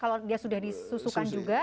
kalau dia sudah disusukan juga